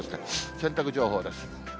洗濯情報です。